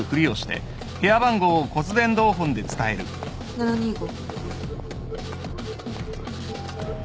７２５。